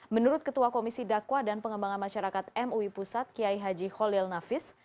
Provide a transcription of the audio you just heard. menurut ketua komisi dakwah dan pengembangan masyarakat mui pusat kiai haji holil nafis